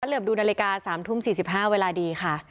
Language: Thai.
เหลือบดูนาฬิกา๓ทุ่ม๔๕เวลาดีค่ะ